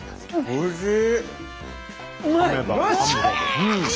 おいしい。